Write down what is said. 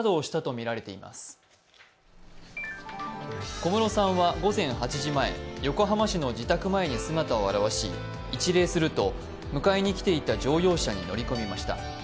小室さんは午前８時前、横浜市の自宅前に姿を現し、一礼すると、迎えに来ていた乗用車に乗り込みました。